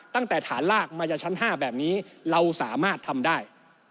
ตั้งแต่ฐานลากมาจากชั้น๕แบบนี้เราสามารถทำได้